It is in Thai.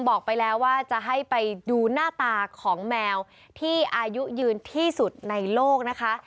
บอกไปแล้วว่าจะให้ไปดูหน้าตาของแมวที่อายุยืนที่สุดในโลกนะคะ